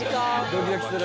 ドキドキする！